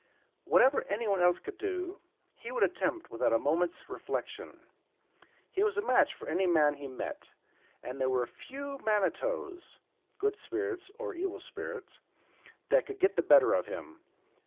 Whatever anyone else could do, he would attempt without a moment's reflection. He was a match for any man he met, and there were few manitoes* (*good spirits or evil spirits) that could get the better of him.